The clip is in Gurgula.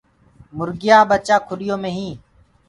موُرگيآ ڀچآ کُڏيو مي هينٚ۔